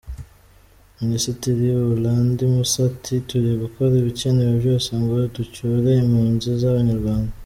Minisitiri Uladi Mussa ati “Turi gukora ibikenewe byose ngo ducyure impunzi z’abanyarwanda.